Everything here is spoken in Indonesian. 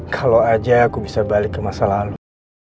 kalau aja aku bisa balik ke masa lalu